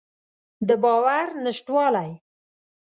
د باور نشتوالی.